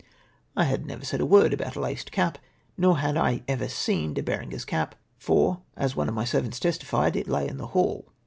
I had never said a word about a " laced cap," nor had I ever seen De Berenger's cap, for, as one of my ser vants testified, it lay in the hall.